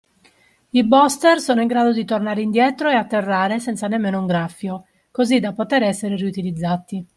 I booster sono in grado di tornare indietro e atterrare senza nemmeno un graffio, così da poter essere riutilizzati.